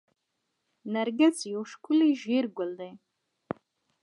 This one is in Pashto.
نرجس یو ښکلی ژیړ ګل دی